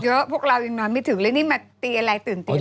พวกเรายังนอนไม่ถึงแล้วนี่มาตีอะไรตื่นตี